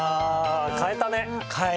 買えたね。